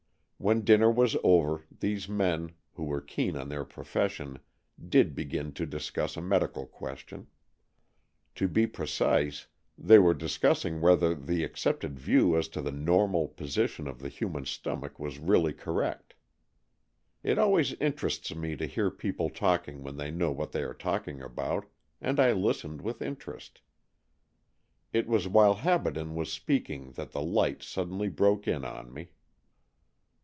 When dinner was over, these men, who were keen on their profession, did begin to discuss a medical question. To be precise, they were discussing whether the accepted view as to the normal position of the human stomach was really correct. It always interests me to hear people talking when they know what they are talking about, and I listened with interest. It was while Habaden was speak ing that the light suddenly broke in on me.